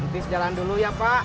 terus jalan dulu ya pak